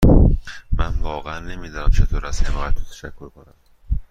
من واقعا نمی دانم چطور از حمایت تو تشکر کنم.